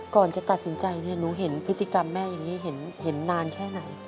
ก่อนจะตัดสินใจหนูเห็นพฤติกรรมแม่อย่างนี้เห็นนานแค่ไหน